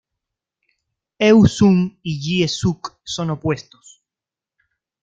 Eun Sung y Hye Suk son opuestos.